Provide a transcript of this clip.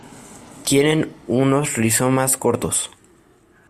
Tienen unos rizomas cortos.